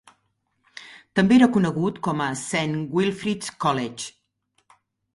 També era conegut com a "Saint Wilfrid's College".